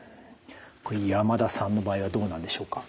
山田さんの場合はどうなんでしょうか？